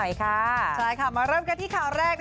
ใช่ค่ะใช่ค่ะมาเริ่มกันที่ข่าวแรก